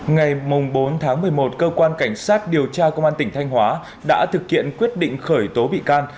ngày bốn tháng một mươi một cơ quan cảnh sát điều tra công an tỉnh thanh hóa đã thực hiện quyết định khởi tố bị can